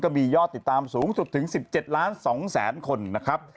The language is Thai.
มียอดติดตามสูงสุดถึง๑๗ล้าน๒แสนคนนะครับ